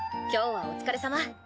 今日はお疲れさま。